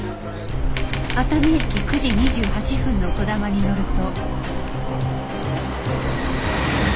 熱海駅９時２８分のこだまに乗ると